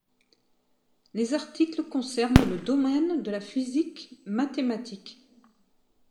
Les articles concernent le domaine de la physique mathématique.